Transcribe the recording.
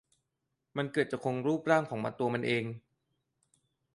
มันเกือบจะคงรูปร่างของตัวมันเอง